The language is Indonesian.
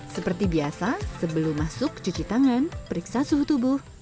seperti biasa sebelum masuk cuci tangan periksa suhu tubuh